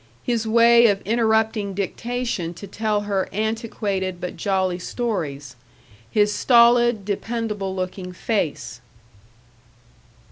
his way of interrupting dictation to tell her antiquated but jolly stories, his stolid, dependable looking face.